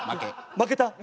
負けた。